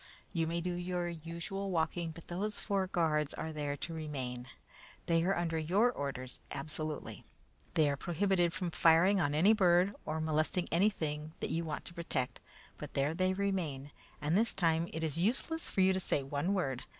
You may do your usual walking, but those four guards are there to remain. They are under your orders absolutely. They are prohibited from firing on any bird or molesting anything that you want to protect, but there they remain, and this time it is useless for you to say one word.